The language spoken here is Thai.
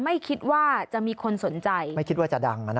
ไม่คิดว่าจะมีคนสนใจไม่คิดว่าจะดังอ่ะนะ